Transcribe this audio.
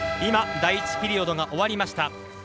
今、第１ピリオドが終わりました。